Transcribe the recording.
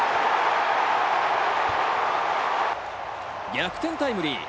逆転タイムリー。